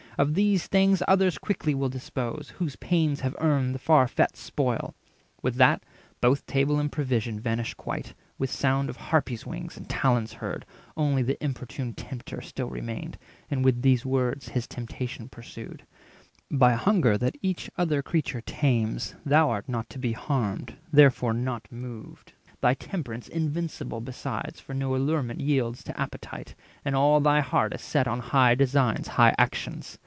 Of these things others quickly will dispose, 400 Whose pains have earned the far fet spoil." With that Both table and provision vanished quite, With sound of harpies' wings and talons heard; Only the importune Tempter still remained, And with these words his temptation pursued:— "By hunger, that each other creature tames, Thou art not to be harmed, therefore not moved; Thy temperance, invincible besides, For no allurement yields to appetite; And all thy heart is set on high designs, 410 High actions.